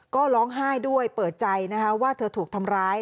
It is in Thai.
ก็ร้องไห้ด้วยเปิดใจนะคะว่าเธอถูกทำร้าย